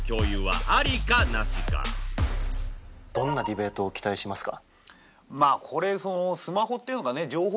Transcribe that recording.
どんなディベートを期待しますか？